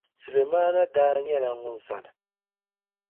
Sulemana daa na nyɛla ŋun zani.